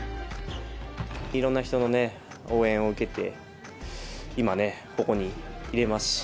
いろんな人の応援を受けて、今、ここにいれますし。